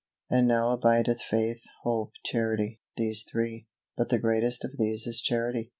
And now abideth faith, hope, charity, these three; but the greatest of these is charity.